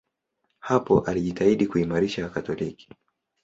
Hapo alijitahidi kuimarisha Wakatoliki.